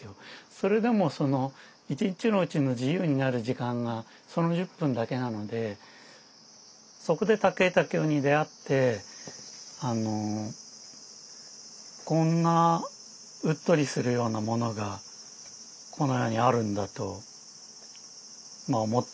それでも１日のうちの自由になる時間がその１０分だけなのでそこで武井武雄に出会ってこんなうっとりするようなものがこの世にあるんだと思ったんですよね。